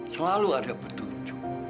selalu ada petunjuk